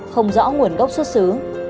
không rõ nguồn gốc xuất xứ